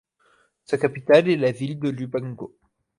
Sa capitale est la ville de Lubango.